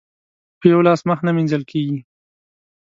په يوه لاس مخ نه مينځل کېږي.